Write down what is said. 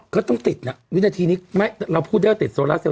ก็ต้องติดล่ะวินาทีนี้ไม่เราพูดได้ว่าติดโซลาเซล